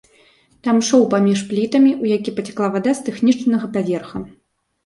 Там шоў паміж плітамі, у які пацякла вада з тэхнічнага паверха.